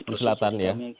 di selatan ya